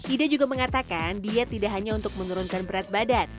ida juga mengatakan diet tidak hanya untuk menurunkan berat badan